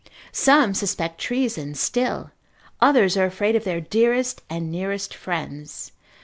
Some suspect treason still, others are afraid of their dearest and nearest friends.